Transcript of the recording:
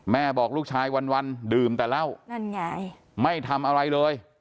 บอกลูกชายวันดื่มแต่เหล้านั่นไงไม่ทำอะไรเลย